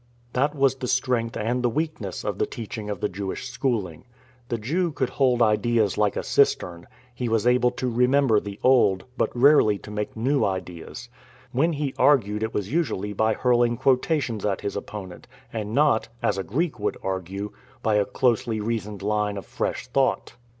That was the strength and the weakness of the teaching of the Jewish schooling. The Jew could hold ideas like a cistern ; he was able to remember the old, but rarely to make new ideas. When he argued it was usually by hurling quotations at his opponent and not — as a Greek would argue — by a closely reasoned line of fresh thought.